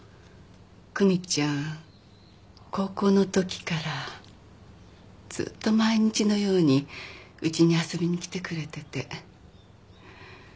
久美ちゃん高校のときからずっと毎日のようにうちに遊びに来てくれてて。